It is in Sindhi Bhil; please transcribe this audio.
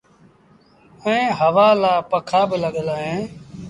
ائيٚݩ هوآ لآ پکآ با لڳل اوهيݩ۔